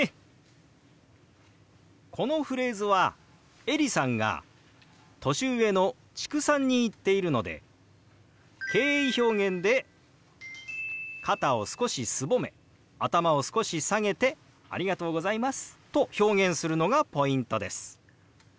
このフレーズはエリさんが年上の知久さんに言っているので敬意表現で肩を少しすぼめ頭を少し下げて「ありがとうございます」と表現するのがポイントです。